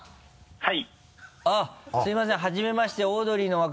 はい。